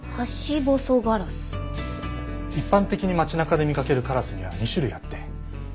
一般的に街中で見かけるカラスには２種類あって。